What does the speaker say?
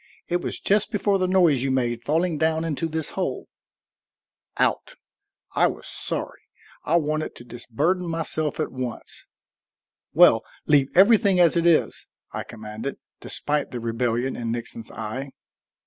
It was just before the noise you made falling down into this hole." Out! I was sorry; I wanted to disburden myself at once. "Well, leave everything as it is," I commanded, despite the rebellion in Nixon's eye.